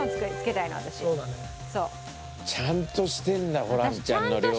ちゃんとしてんだホランちゃんの料理。